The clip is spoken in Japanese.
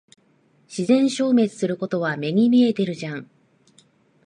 自然消滅することは目に見えてるじゃん。